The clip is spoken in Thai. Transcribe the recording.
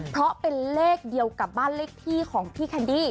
เพราะเป็นเลขเดียวกับบ้านเลขที่ของพี่แคนดี้